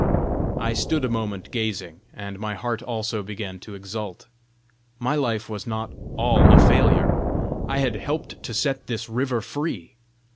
I stood a moment gazing, and my heart also began to exult: my life was not all a failure! I had helped to set this river free!